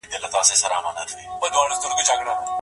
فرد ځان تر نورو ځاروي.